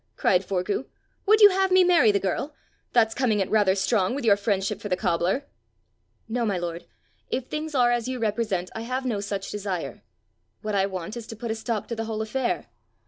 cried Forgue. "Would you have me marry the girl? That's coming it rather strong with your friendship for the cobbler!" "No, my lord; if things are as you represent, I have no such desire. What I want is to put a stop to the whole affair.